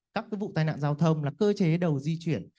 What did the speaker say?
các vụ tai nạn giao thông là cơ chế đầu di chuyển